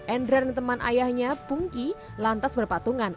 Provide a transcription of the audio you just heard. endra dan teman ayahnya pungki lantas berpatungan